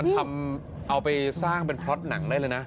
โอ้โหมันเอาไปสร้างไว้เป็นพล็อตหนังได้เลยนะ